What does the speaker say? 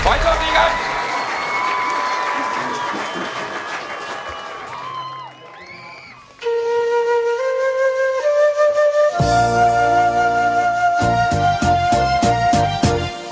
ขวัญโชคดีครับ